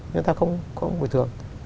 nhưng ta không bồi thường